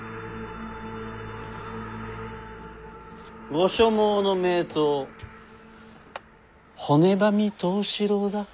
ご所望の名刀骨喰藤四郎だ。